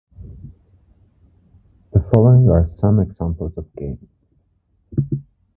The following are some examples of games.